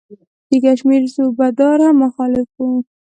د کشمیر صوبه دار هم مخالف وو.